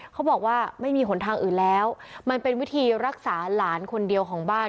เขาบอกว่าไม่มีหนทางอื่นแล้วมันเป็นวิธีรักษาหลานคนเดียวของบ้าน